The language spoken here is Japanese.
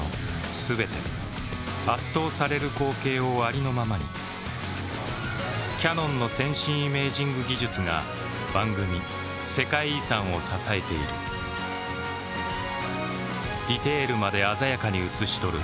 全て圧倒される光景をありのままにキヤノンの先進イメージング技術が番組「世界遺産」を支えているディテールまで鮮やかに映し撮る